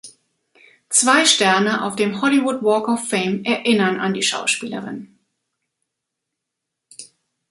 Zwei Sterne auf dem Hollywood Walk of Fame erinnern an die Schauspielerin.